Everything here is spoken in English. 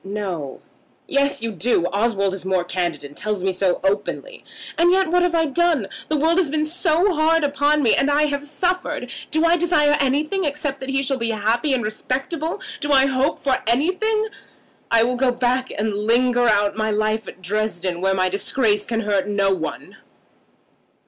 "No." "Yes, you do. Oswald is more candid, and tells me so openly. And yet what have I done? The world has been hard upon me, and I have suffered. Do I desire anything except that he shall be happy and respectable? Do I hope for anything? I will go back and linger out my life at Dresden, where my disgrace can hurt no one."